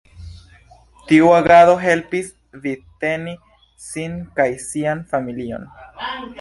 Tiu agado helpis vivteni sin kaj sian familion.